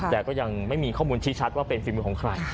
แต่ก็ยังไม่มีข้อมูลชี้ชัดว่าเป็นฝีมือของใคร